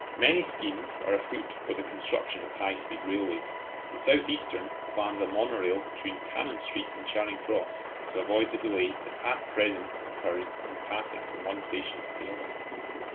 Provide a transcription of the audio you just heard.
Many schemes are afoot for the construction of high speed railways. The South Eastern plans a monorail between Cannon Street and Charing Cross to avoid the delay that at present occurs in passing from one station to the other.